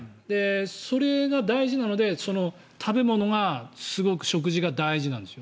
それが大事なので、食べ物がすごく食事が大事なんです。